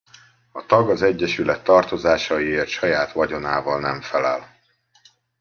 A tag az egyesület tartozásaiért saját vagyonával nem felel.